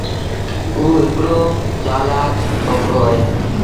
اُ هڪڙو چلآڪ ڇوڪرو اهي۔